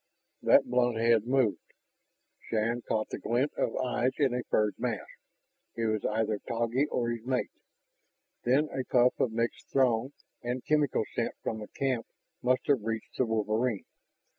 That blunt head moved. Shann caught the glint of eyes in a furred mask; it was either Taggi or his mate. Then a puff of mixed Throng and chemical scent from the camp must have reached the wolverine.